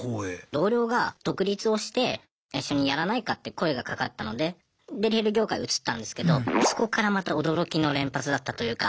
同僚が独立をして一緒にやらないかって声がかかったのでデリヘル業界移ったんですけどそこからまた驚きの連発だったというか。